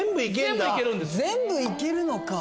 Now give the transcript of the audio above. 全部行けるのか。